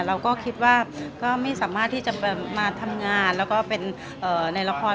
เราก็คิดว่าก็ไม่สามารถที่จะมาทำงานแล้วก็เป็นในละคร